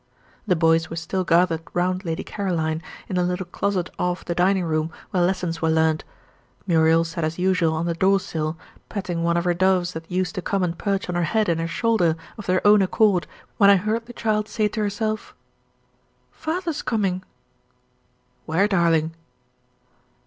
The boys were still gathered round Lady Caroline, in the little closet off the dining room where lessons were learnt; Muriel sat as usual on the door sill, petting one of her doves that used to come and perch on her head and her shoulder, of their own accord, when I heard the child say to herself: "Father's coming." "Where, darling?"